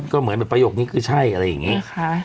ก็เหมือนแบบประโยคนี้คือใช่อะไรอย่างนี้นะคะ